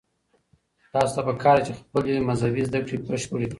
تاسو ته پکار ده چې خپلې مذهبي زده کړې بشپړې کړئ.